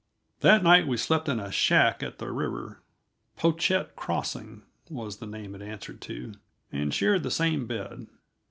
That night we slept in a shack at the river "Pochette Crossing" was the name it answered to and shared the same bed.